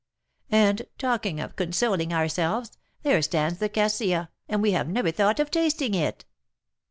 And, talking of consoling ourselves, there stands the cassia, and we have never thought of tasting it."